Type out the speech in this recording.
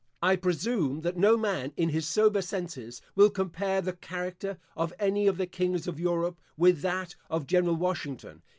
I presume that no man in his sober senses will compare the character of any of the kings of Europe with that of General Washington.